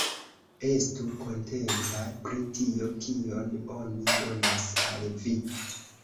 Estu kontenta pri tio, kion oni donas al vi!